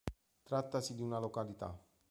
Trattasi di una località.